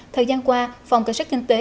thời gian qua phòng cơ sát kinh tế